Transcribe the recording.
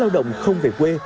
lao động không về quê